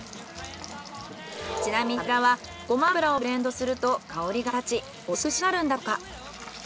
ちなみに油はゴマ油をブレンドすると香りが立ちおいしく仕上がるんだとか。